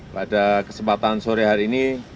pada kesempatan sore hari ini